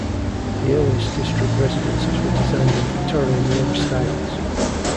The earliest district residences were designed in Victorian-era styles.